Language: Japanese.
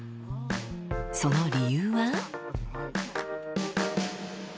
その理由は。